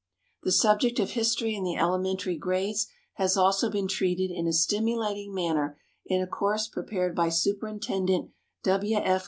The subject of history in the elementary grades has also been treated in a stimulating manner in a course prepared by Superintendent W. F.